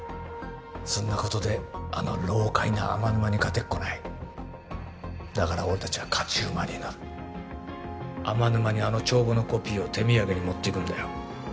そんなことであの老獪な天沼に勝てっこないだから俺達は勝ち馬に乗る天沼にあの帳簿のコピーを手土産に持っていくんだよ